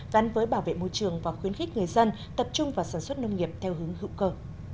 gắn với bảo vệ môi trường và khuyến khích người dân tập trung vào sản xuất nông nghiệp theo hướng hữu cơ